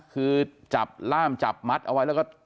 คือจับล่ามจับมัดเอาไว้แล้วก็